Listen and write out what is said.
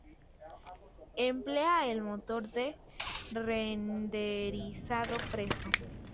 Emplea el motor de renderizado Presto.